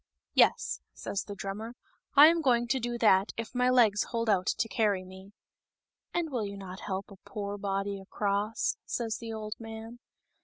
" Yes," says the drummer, " I am going to do that if my legs hold out to carry me." " And will you not help a poor body across ?" says the old man.